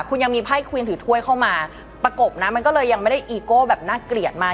คุณยังมีไพ่ควีนถือถ้วยเข้ามาประกบนะมันก็เลยยังไม่ได้อีโก้แบบน่าเกลียดมาก